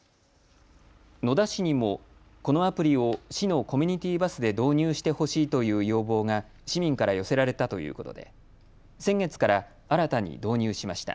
野田市にもこのアプリを市のコミュニティバスで導入してほしいという要望が市民から寄せられたということで先月から新たに導入しました。